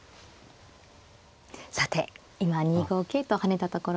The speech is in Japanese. さて今２五桂と跳ねたところです。